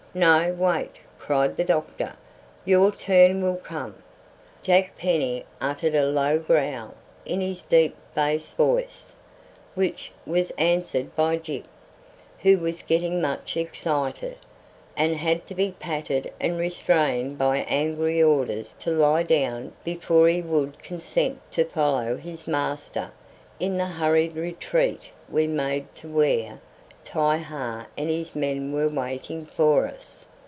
"No: wait!" cried the doctor. "Your turn will come." Jack Penny uttered a low growl in his deep bass voice, which was answered by Gyp, who was getting much excited, and had to be patted and restrained by angry orders to lie down before he would consent to follow his master in the hurried retreat we made to where Ti hi and his men were waiting for us.